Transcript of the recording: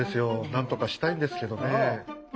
なんとかしたいんですけどねえ。